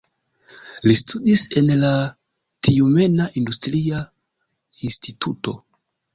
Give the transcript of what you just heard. Li studis en la Tjumena Industria Instituto.